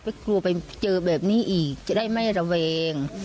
ถ้ากลัวไปเจอแบบนี้อีกจะได้ไม่ระแวง